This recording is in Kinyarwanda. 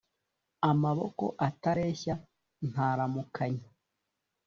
amaboko atareshya ntaramukanyi